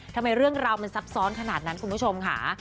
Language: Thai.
ทำไมเรื่องราวมันซับซ้อนขนาดนั้นคุณผู้ชมค่ะ